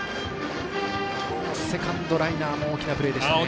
セカンドライナーも大きなプレーでしたね。